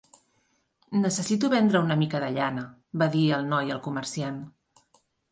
"Necessito vendre una mica de llana", va dir el noi al comerciant.